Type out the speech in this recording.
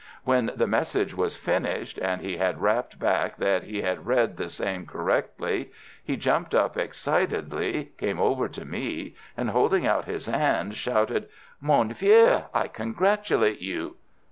When the message was finished, and he had rapped back that he had read the same correctly, he jumped up excitedly, came over to me and, holding out his hand, shouted: "Mon vieux, I congratulate you!"